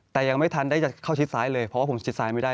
แต่ยังไม่ทันได้จะเข้าชิดซ้ายเลยเพราะว่าผมชิดซ้ายไม่ได้